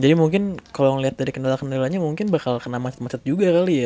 jadi mungkin kalo ngeliat dari kendala kendalanya mungkin bakal kena macet macet juga kali ya